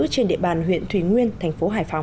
trên địa bàn huyện thủy nguyên thành phố hải phòng